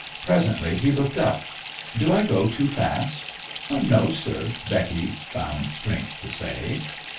Presently he looked up. "Do I go too fast?" "No, sir," Becky found strength to say.